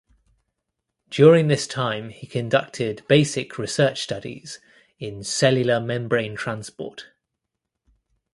During this time he conducted basic research studies in cellular membrane transport.